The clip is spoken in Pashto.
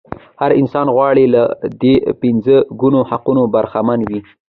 هر انسان غواړي له دې پنځه ګونو حقوقو برخمن وي.